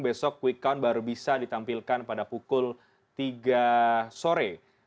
besok quick count baru bisa ditampilkan pada pukul tiga sore